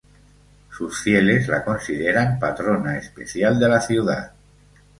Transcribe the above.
Sus fieles la consideran "Patrona Especial de la Ciudad".